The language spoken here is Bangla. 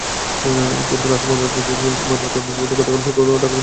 তিনটি লাশ ময়নাতদন্তের জন্য গতকাল শুক্রবার ঢাকা মেডিকেল কলেজের মর্গে পাঠানো হয়।